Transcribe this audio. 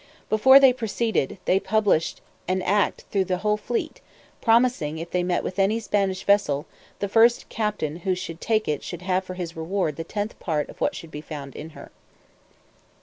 But before they proceeded, they published an act through the whole fleet, promising, if they met with any Spanish vessel, the first captain who should take it should have for his reward the tenth part of what should be found in her.